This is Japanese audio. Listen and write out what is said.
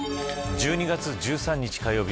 １２月１３日、火曜日